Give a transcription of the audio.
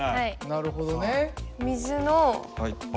なるほどね。